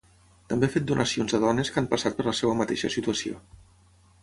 També ha fet donacions a dones que han passat per la seva mateixa situació.